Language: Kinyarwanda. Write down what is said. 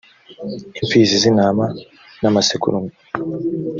imfizi z intama n amasekurume